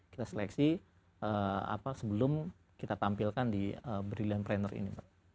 kita seleksi sebelum kita tampilkan di brilliant pranner ini